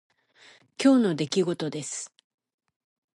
今日の出来事です。